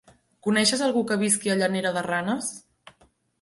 Coneixes algú que visqui a Llanera de Ranes?